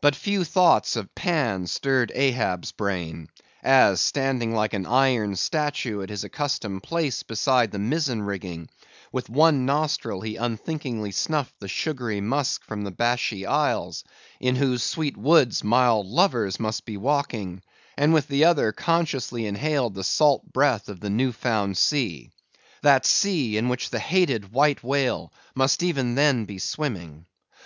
But few thoughts of Pan stirred Ahab's brain, as standing like an iron statue at his accustomed place beside the mizen rigging, with one nostril he unthinkingly snuffed the sugary musk from the Bashee isles (in whose sweet woods mild lovers must be walking), and with the other consciously inhaled the salt breath of the new found sea; that sea in which the hated White Whale must even then be swimming.